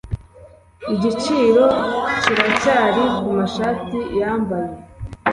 Igiciro kiracyari kumashati yambaye.